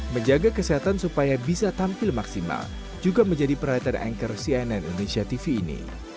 menjaga kesehatan supaya bisa tampil maksimal juga menjadi perhatian anchor cnn indonesia tv ini